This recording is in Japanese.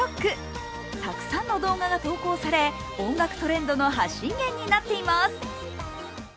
たくさんの動画が投稿され音楽トレンドの発信源になっています。